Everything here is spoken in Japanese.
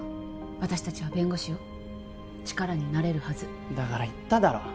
私達は弁護士よ力になれるはずだから言っただろ